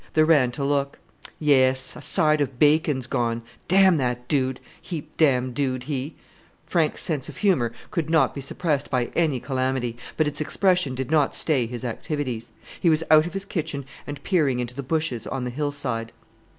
They ran to look. "Yes, a side of bacon's gone. Damn that 'dood' 'heap dam dood,' he!" Frank's sense of humour could not be suppressed by any calamity; but its expression did not stay his activities. He was out of his kitchen and peering into the bushes on the hillside.